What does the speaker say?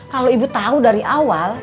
kalau ibu tahu dari awal